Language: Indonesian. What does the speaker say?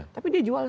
tapi dia jual saja